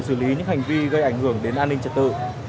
xử lý những hành vi gây ảnh hưởng đến an ninh trật tự